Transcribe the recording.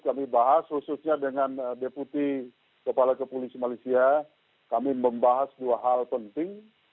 kami bahas khususnya dengan deputi kepala kepolisian malaysia kami membahas dua hal penting